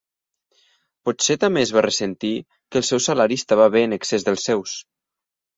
Potser també es va ressentir que el seu salari estava bé en excés dels seus.